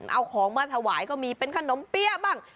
เอาของมาถวายก็มีเป็นขนมเปี้ยบ้าง